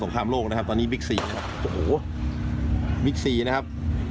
โอ้โหยังไม่หยุดนะครับ